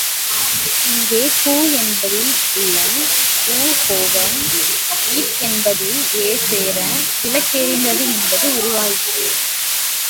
இங்கே கு என்பதில் உள்ள உ போக, க் என்பதில் எ சேர விளக்கெரிந்தது என்பது உருவாயிற்று.